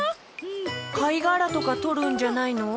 かいがらとかとるんじゃないの？